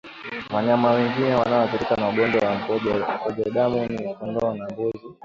Wanyama wengine wanaoathirika na ugonjwa wa mkojo damu ni kondoo na mbuzi